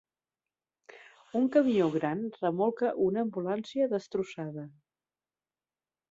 Un camió gran remolca una ambulància destrossada.